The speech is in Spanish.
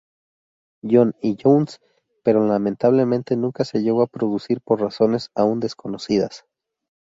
John y Jones, pero lamentablemente nunca se llegó a producir por razones aún desconocidas.